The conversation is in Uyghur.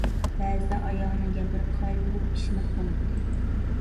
بەزىدە ئايالىنىڭ گەپلىرىگە قايىل بولۇپ ئىشىنىپ قالاتتى.